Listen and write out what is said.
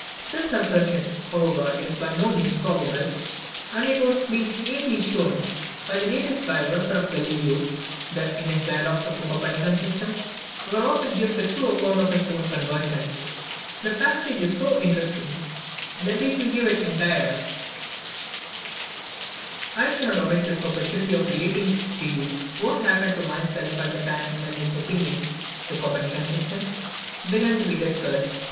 This assertion, however, is by no means probable; and it has been ably shown, by the latest biographer of Galileo, that, in his dialogues on the Copernican system, our author gives the true account of his own conversion. This passage is so interesting, that we shall give it entire. Life of Galileo, in Library of Useful Knowledge, p. 9. "I cannot omit this opportunity of relating to you what happened to myself at the time when this opinion (the Copernican system) began to be discussed.